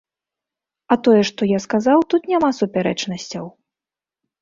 А тое, што я сказаў, тут няма супярэчнасцяў.